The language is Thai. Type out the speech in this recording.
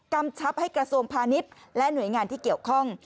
กำชับให้กระทรวงพาณิชย์และหน่วยงานที่เกี่ยวข้อง